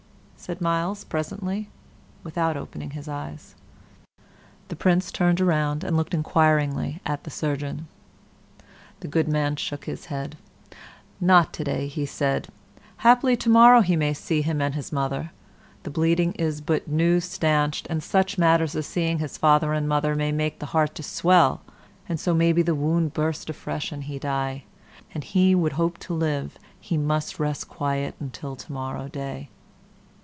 said Myles, presently, without opening his eyes. The Prince turned around and looked inquiringly at the surgeon. The good man shook his head. "Not to day," said he; "haply to morrow he may see him and his mother. The bleeding is but new stanched, and such matters as seeing his father and mother may make the heart to swell, and so maybe the wound burst afresh and he die. An he would hope to live, he must rest quiet until to morrow day."